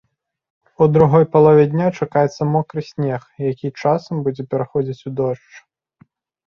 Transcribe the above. У другой палове дня чакаецца мокры снег, які часам будзе пераходзіць у дождж.